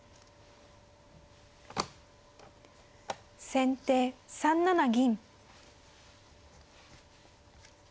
先手３七銀。